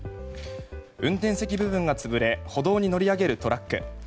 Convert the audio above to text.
運転席部分がつぶれ歩道に乗り上げるトラック。